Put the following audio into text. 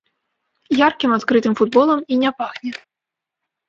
Яркім адкрытым футболам і не пахне.